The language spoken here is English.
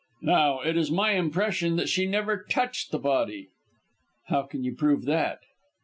Now, it is my impression that she never touched the body." "How can you prove that?"